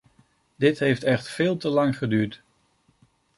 Dit heeft echt veel te lang geduurd.